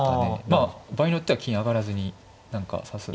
まあ場合によっては金上がらずに何か指す。